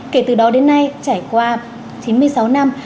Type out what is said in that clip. kể từ đó đến nay trải qua chín mươi sáu năm